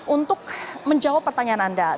untuk menjawab pertanyaan anda